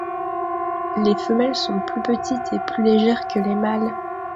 Les femelles sont plus petites et plus légères que les mâles.